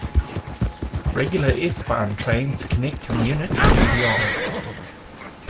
Regular S-Bahn trains connect to Munich and beyond.